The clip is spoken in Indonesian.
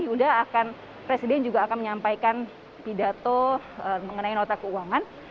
yuda akan presiden juga akan menyampaikan pidato mengenai nota keuangan